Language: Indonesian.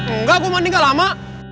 enggak aku manding gak lama